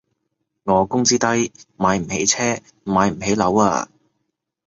我工資低，買唔起車買唔起樓啊